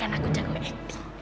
kan aku jago acting